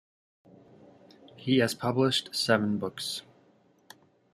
He has published seven books.